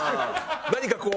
何かこう。